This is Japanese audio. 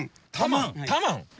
タマン。